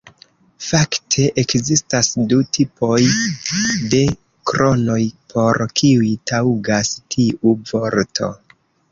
Fakte ekzistas du tipoj de kronoj, por kiuj taŭgas tiu vorto.